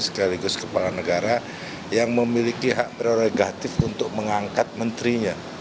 sekaligus kepala negara yang memiliki hak prerogatif untuk mengangkat menterinya